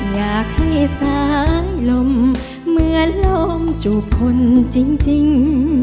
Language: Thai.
อยากให้สายลมเหมือนลมจูบคนจริง